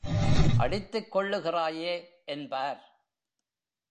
அடித்துக் கொள்ளுகிறாயே என்பார்.